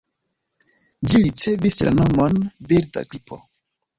Ĝi ricevis la nomon „birda gripo”.